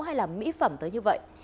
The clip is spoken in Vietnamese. hay là mỹ phẩm tới như vậy